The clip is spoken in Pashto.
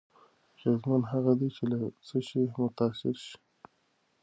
اغېزمن هغه دی چې له څه شي متأثر شي.